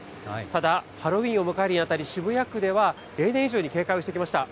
ただ、ハロウィーンを迎えるにあたり、渋谷区では例年以上に警戒をしてきました。